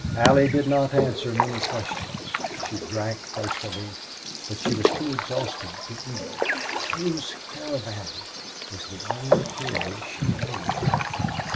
Allie did not answer many questions. She drank thirstily, but she was too exhausted to eat. "Whose caravan?" was the only query she made.